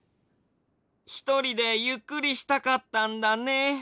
ひとりでゆっくりしたかったんだね。